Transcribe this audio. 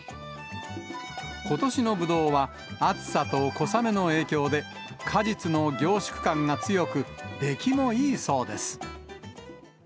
ことしのブドウは、暑さと小雨の影響で、果実の凝縮感が強く、出来もいいそうです。